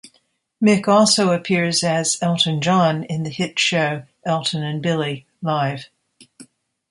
Mick also appears as 'Elton John' in the hit show, Elton and Billy: Live.